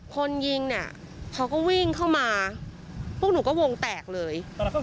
คนยิงเนี่ยเขาก็วิ่งเข้ามาพวกหนูก็วงแตกเลย